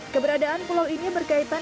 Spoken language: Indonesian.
keberadaan pulau ini berkaitan